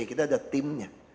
kita ada timnya